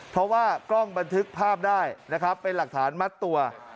เพราะว่ากล้องบันทึกภาพได้นะครับเป็นหลักฐานมัดตัว